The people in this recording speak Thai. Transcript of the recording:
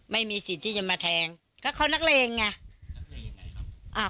ไม่มีสิทธิ์ที่จะมาแทงเพราะเขานักเลงไงนักเลงไงครับ